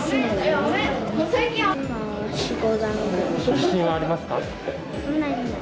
自信はありますか？